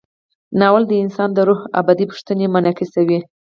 ناول د انسان د روح ابدي پوښتنې منعکسوي.